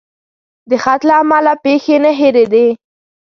د خط له امله پیښې نه هېرېدې.